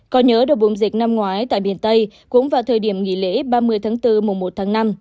có nhớ được bùng dịch năm ngoái tại miền tây cũng vào thời điểm nghỉ lễ ba mươi tháng bốn mùa một tháng năm